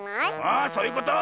あそういうこと！